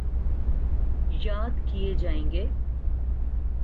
یاد کیے جائیں گے۔